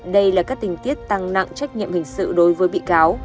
đây là các tình tiết tăng nặng trách nhiệm hình sự đối với bị cáo